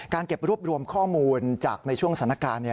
เก็บรวบรวมข้อมูลจากในช่วงสถานการณ์